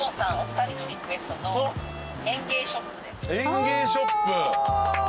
園芸ショップ。